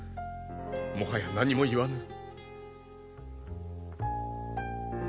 もはや何も言わぬ。